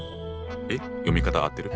え読み方合ってる？